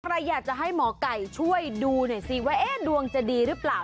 ใครอยากจะให้หมอไก่ช่วยดูหน่อยสิว่าดวงจะดีหรือเปล่า